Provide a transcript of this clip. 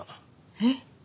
えっ？